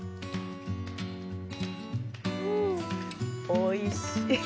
おいしい。